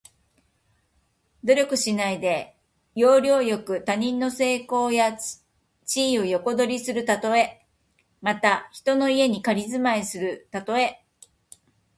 努力しないで、要領よく他人の成功や地位を横取りするたとえ。また、人の家に仮住まいするたとえ。